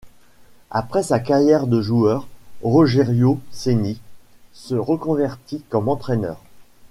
Après sa carrière de joueur, Rogério Ceni se reconvertit comme entraîneur.